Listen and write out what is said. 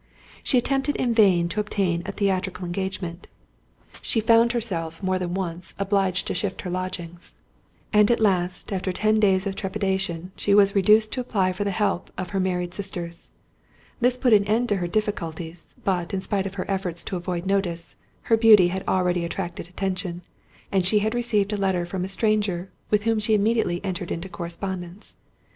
She attempted in vain to obtain a theatrical engagement; she found herself, more than once, obliged to shift her lodging; and at last, after ten days of trepidation, she was reduced to apply for help to her married sisters. This put an end to her difficulties, but, in spite of her efforts to avoid notice, her beauty had already attracted attention, and she had received a letter from a stranger, with whom she immediately entered into correspondence.